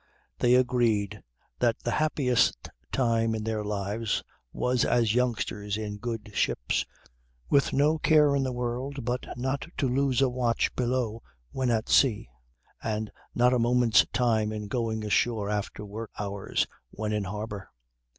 They agreed that the happiest time in their lives was as youngsters in good ships, with no care in the world but not to lose a watch below when at sea and not a moment's time in going ashore after work hours when in harbour.